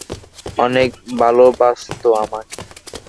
অনেক ভালোবাসত আমাকে।